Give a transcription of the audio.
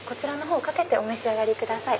かけてお召し上がりください。